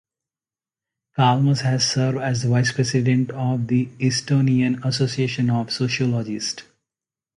Kalmus has served as the Vice President of the Estonian Association of Sociologists.